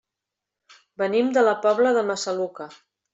Venim de la Pobla de Massaluca.